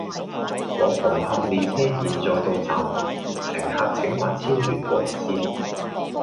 往紅磡列車現在到站，乘客請勿超越黃線